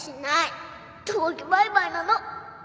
友樹バイバイなの